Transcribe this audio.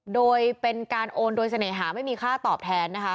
โดยเป็นการโอนโดยเสน่หาไม่มีค่าตอบแทนนะคะ